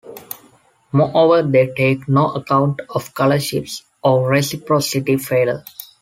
Moreover, they take no account of color shifts or reciprocity failure.